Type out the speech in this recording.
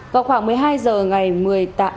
vào khoảng một mươi hai h ngày một mươi tháng